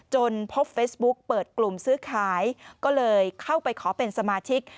พบเฟซบุ๊กเปิดกลุ่มซื้อขายก็เลยเข้าไปขอเป็นสมาชิก